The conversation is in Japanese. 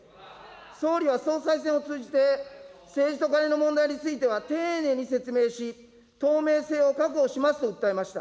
総理は総裁選を通じて、政治とカネの問題については丁寧に説明し、透明性を確保しますと訴えました。